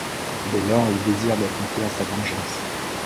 Dès lors, il désire d'accomplir sa vengeance.